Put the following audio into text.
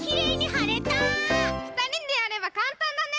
ふたりでやればかんたんだね！